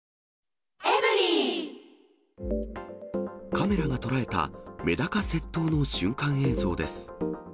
カメラが捉えた、めだか窃盗の瞬間映像です。